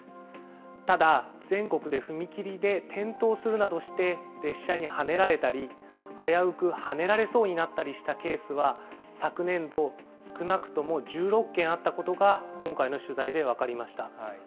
ただ、全国で踏切で転倒するなどして列車にはねられたり、危うくはねられそうになったケースは、昨年度、少なくとも１６件あったことが、今回の取材で分かりました。